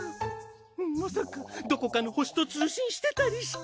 まさかどこかの星と通信してたりして。